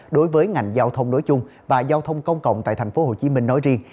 đối với ngành giao thông nói chung và giao thông công cộng tại tp hcm nói riêng